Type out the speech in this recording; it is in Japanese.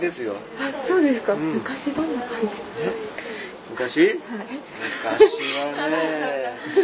あっそうですか。